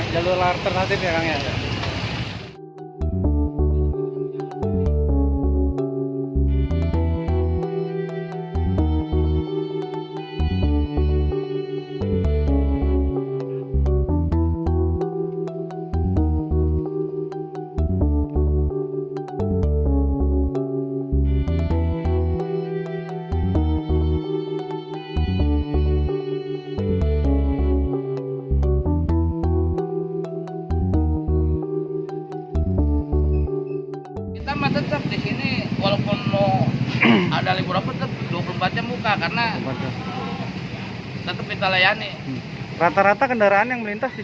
jalur alternatif ya kang ya